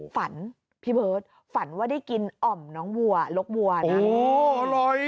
ฝันพี่เบิร์ดฝันว่าได้กินอ่อมน้องบัวลกบัวนั้นโอ้โหอร่อย